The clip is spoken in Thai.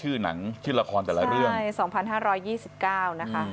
อื้อหูนะชื่อหนังขึ้นละครแต่ละเรื่องสองพันห้ารอยยี่สิบเก้าร์นะคะ